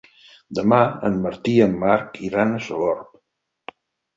Demà en Martí i en Marc iran a Sogorb.